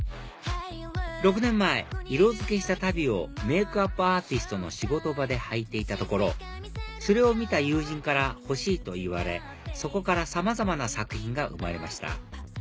６年前色付けした足袋をメイクアップアーティストの仕事場で履いていたところそれを見た友人から欲しいと言われそこからさまざまな作品が生まれました